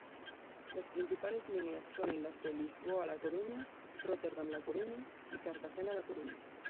Las principales líneas son las de Lisboa-La Coruña, Róterdam-La Coruña y Cartagena-La Coruña.